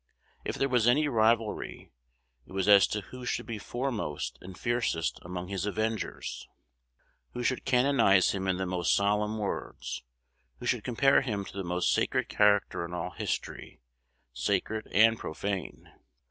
If there was any rivalry, it was as to who should be foremost and fiercest among his avengers, who should canonize him in the most solemn words, who should compare him to the most sacred character in all history, sacred and profane.